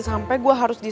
sampai jumpa lagi